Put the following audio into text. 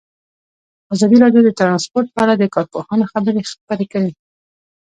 ازادي راډیو د ترانسپورټ په اړه د کارپوهانو خبرې خپرې کړي.